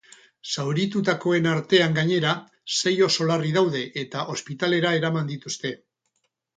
Zauritutakoen artean gainera, sei oso larri daude eta ospitalera eraman dituzte.